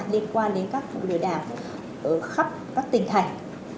liên quan đến các mục đích lừa đảo ở khắp các tỉnh thành